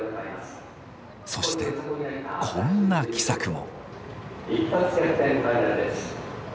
そしてこんな奇策も。